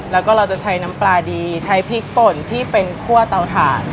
แล้วก็เราจะใช้น้ำปลาดีใช้พริกป่นที่เป็นคั่วเตาถ่าน